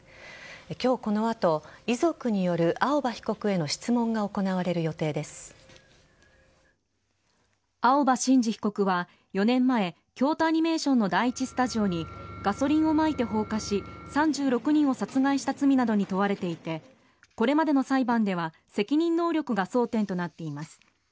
今日この後遺族による青葉被告への質問が青葉真司被告は４年前京都アニメーションの第１スタジオにガソリンをまいて放火し３６人を殺害した罪などに問われていてこれまでの裁判では責任能力が争点となっています。